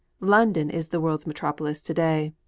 London is the world's metropolis to day.